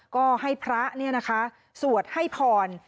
ก็ให้พระเนี่ยนะคะสวดให้พร